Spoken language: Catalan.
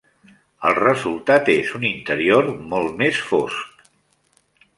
El resultat és un interior molt més fosc.